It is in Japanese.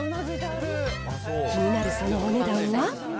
気になるそのお値段は？